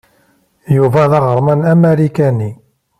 Yuba d aɣerman amarikani.